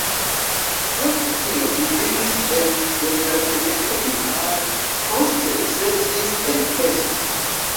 Post tio, li vivis en departemento Bihar, poste setlis en Pest.